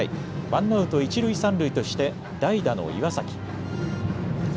ワンアウト一塁三塁として代打の岩崎。